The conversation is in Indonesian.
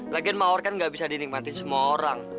lagian mawar kan gak bisa dinikmati semua orang